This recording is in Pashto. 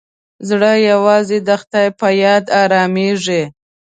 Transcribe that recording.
زړه یوازې د خدای په یاد ارامېږي.